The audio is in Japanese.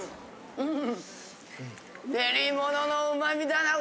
うん。